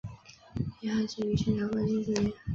林翰生于清朝光绪四年。